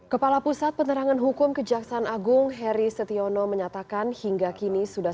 kepala pusat penerangan hukum kejaksaan agung heri setiono menyatakan hingga kini sudah